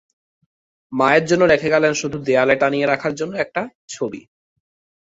মায়ের জন্য রেখে গেলেন শুধু দেয়ালে টানিয়ে রাখার জন্য একটা ছবি।